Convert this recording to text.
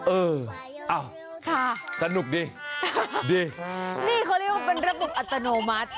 เออค่ะสนุกดีดีนี่เขาเรียกว่าเป็นระบบอัตโนมัติ